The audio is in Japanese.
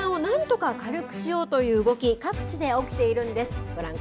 こうした負担を何とか軽くしようという動き各地で起きているんです。